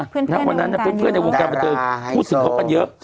เพื่อนในวงการเยอะดาราให้โทร